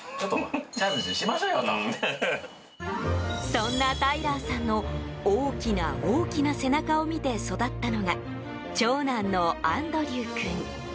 そんなタイラーさんの大きな、大きな背中を見て育ったのが長男のアンドリュウ君。